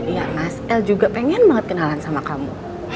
iya mas el juga pengen banget kenalan sama kamu